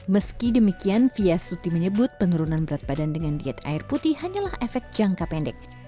meski demikian fia suti menyebut penurunan berat badan dengan diet air putih hanyalah efek jangka pendek